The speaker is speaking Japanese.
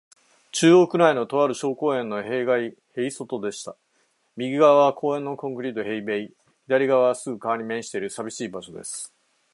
中央区内の、とある小公園の塀外へいそとでした。右がわは公園のコンクリート塀べい、左がわはすぐ川に面している、さびしい場所です。